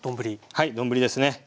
はい丼ですね。